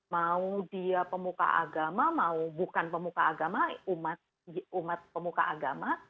mau dia pemuka agama mau bukan pemuka agama umat pemuka agama